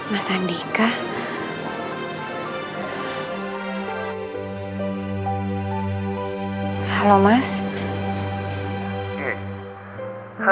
gak ada apa apa